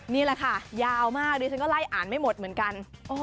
ในการย้าวมากดูฉันก็ไล่อ่านไม่หมดเหมือนกัน